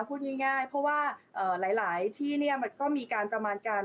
พูดง่ายเพราะว่าหลายที่เนี่ยมันก็มีการประมาณการ